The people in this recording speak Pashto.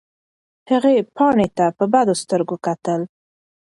هغې پاڼې ته په بدو سترګو کتل.